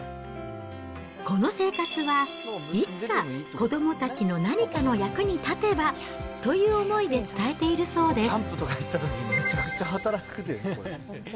この生活はいつか子どもたちの何かの役に立てばという思いで伝えているそうです。